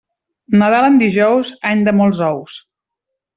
Nadal en dijous, any de molts ous.